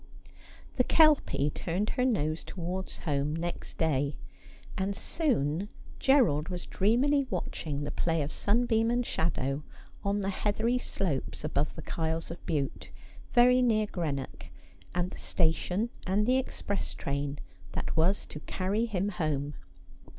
The Kelpie turned her nose towards home next day ; and soon Gerald was dreamily watching the play of sunbeam and shadow on the heathery slopes above the Kyles of Bute, very near Greenock, and the station and the express train that was to carry him home.